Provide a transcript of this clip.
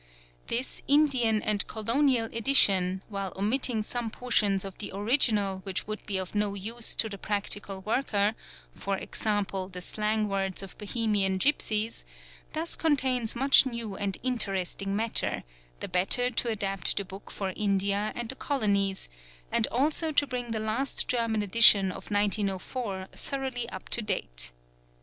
This Indian and Colonial edition, while omitting some portions of the original which would be of no use to the practical worker, for example, the slang words of Bohemian gipsies, thus contains much new and interesting matter, the better to adapt the book for India and the Colonies, and also to bring the last German edition of 1904 thoroughly up to date.